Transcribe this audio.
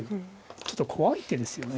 ちょっと怖い手ですよね。